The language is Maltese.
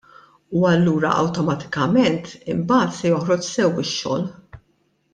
U allura awtomatikament imbagħad se joħroġ sew ix-xogħol.